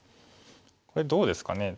これどうですかね。